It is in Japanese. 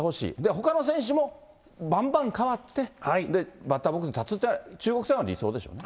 ほかの選手もばんばん代わって、バッターボックスに立つというのが中国戦は理想ですよね。